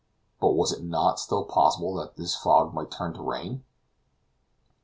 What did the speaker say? But was it not still possible that this fog might turn to rain?